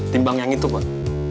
timbang yang itu pak